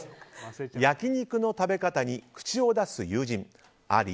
焼肉の食べ方に口を出す友人あり？